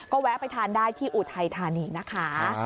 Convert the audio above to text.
แวะไปทานได้ที่อุทัยธานีนะคะ